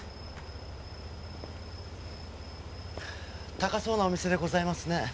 高そうなお店でございますね。